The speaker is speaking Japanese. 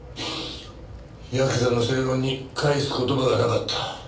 ヤクザの正論に返す言葉がなかった。